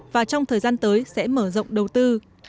và trong thời gian tới sẽ mở rộng đầu tư